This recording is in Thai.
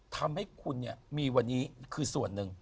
ทำให้คุณเนี่ยมีวันนี้คือส่วนหนึ่ง